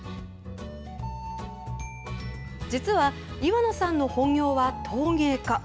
実は、岩野さんの本業は陶芸家。